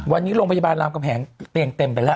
วันนี้โรงพยาบาลรามกำแหงเตียงเต็มไปแล้ว